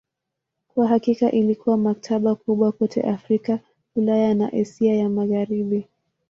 Kwa hakika ilikuwa maktaba kubwa kote Afrika, Ulaya na Asia ya Magharibi.